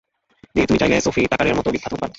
তুমি চাইলে সোফি টাকারের মতো বিখ্যাত হতে পারবে।